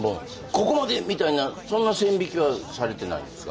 「ここまで」みたいな線引きはされてないんですか？